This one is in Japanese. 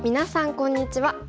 こんにちは。